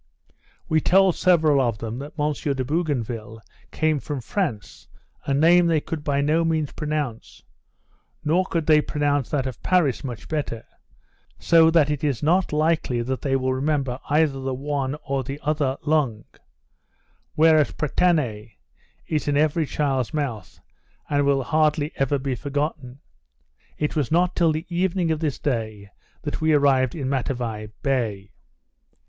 We told several of them, that M. de Bougainville came from France, a name they could by no means pronounce; nor could they pronounce that of Paris much better; so that it is not likely that they will remember either the one or the other long; whereas Pretane is in every child's mouth, and will hardly ever be forgotten. It was not till the evening of this day that we arrived in Matavai bay.